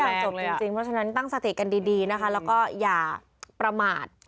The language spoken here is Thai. แพนิกก็ทุกอย่างจบจริงเพราะฉะนั้นตั้งสติกันดีนะคะและก็อย่าประมาท